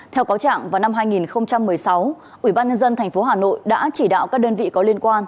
theo cáo trạng vào năm hai nghìn một mươi sáu ubnd tp hà nội đã chỉ đạo các đơn vị có liên quan